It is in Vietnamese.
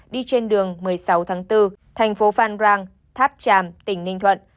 đi trên đường một mươi sáu tháng bốn thành phố phan rang tháp tràm tỉnh ninh thuận